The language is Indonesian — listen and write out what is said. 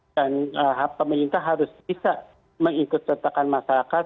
dan pemerintah harus bisa mengikut sertakan masyarakat